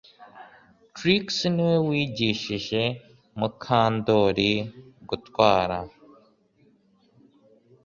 Trix niwe wigishije Mukandoli gutwara